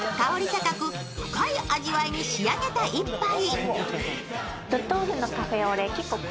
高く深い味わいに仕上げた一杯。